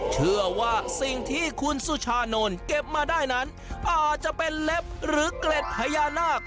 เชื่อว่าสิ่งที่คุณสุชานนท์เก็บมาได้นั้นอาจจะเป็นเล็บหรือเกล็ดพญานาค